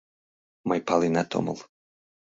— Мый паленат омыл.